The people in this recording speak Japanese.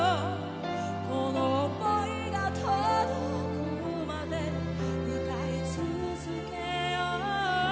「この想いが届くまで歌い続けよう」